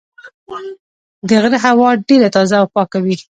د غره هوا ډېره تازه او پاکه وي.